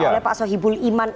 oleh pak sohibul iman